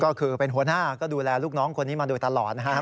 ก็คือเป็นหัวหน้าก็ดูแลลูกน้องคนนี้มาด้วยตลอด